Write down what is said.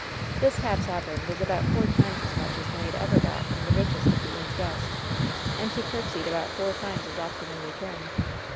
This half sovereign was about four times as much as the maid ever got from the richest of the inn's guests ; and she courtesied about four times as often in return.